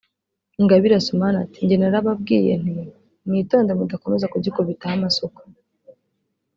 Ingabire Assouman ati “jye narababwiye nti mwitonde mudakomeza kugikubitaho amasuka